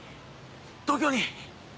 東京に。